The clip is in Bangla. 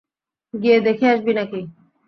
গিয়ে দেখে আসবি নাকি?